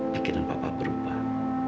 pikiran papa berubah